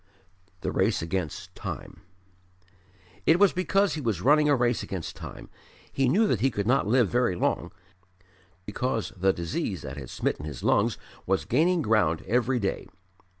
The Race against Time It was because he was running a race against time. He knew that he could not live very long, because the disease that had smitten his lungs was gaining ground every day.